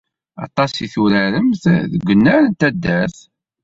Aṭas i turaremt deg wannar n taddart.